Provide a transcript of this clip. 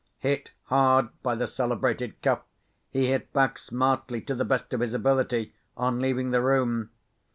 Hit hard by the celebrated Cuff, he hit back smartly, to the best of his ability, on leaving the room.